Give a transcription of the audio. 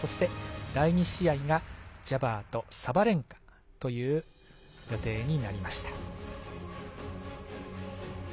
第２試合がジャバーとサバレンカという予定になりました。